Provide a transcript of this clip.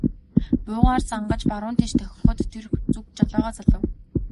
Буугаар зангаж баруун тийш дохиход тэр зүг жолоогоо залав.